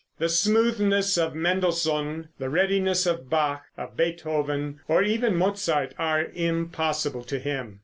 The smoothness of Mendelssohn, the readiness of Bach, of Beethoven, or even Mozart, are impossible to him.